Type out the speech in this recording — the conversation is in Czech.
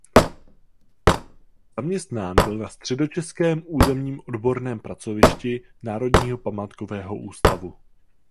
Zaměstnán byl na Středočeském územním odborném pracovišti Národního památkového ústavu.